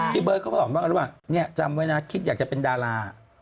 พี่เบิร์ดเขาสอนว่านี่จำไว้นะคิดอยากจะเป็นดารา